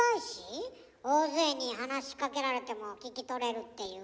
大勢に話しかけられても聞き取れるっていう？